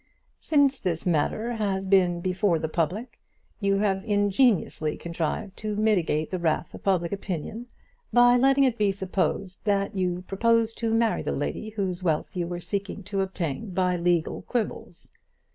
Since this matter has been before the public you have ingeniously contrived to mitigate the wrath of public opinion by letting it be supposed that you purposed to marry the lady whose wealth you were seeking to obtain by legal quibbles.